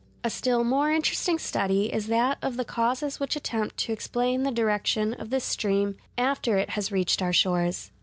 A still more interesting study is that of the causes which attempt to explain the direction of this stream after it has reached our shores.